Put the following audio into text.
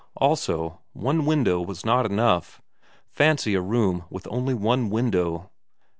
Also, one window was not enough fancy a room with only one window!